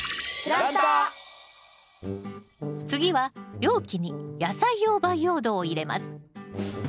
次は容器に野菜用培養土を入れます。